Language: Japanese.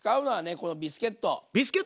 このビスケット。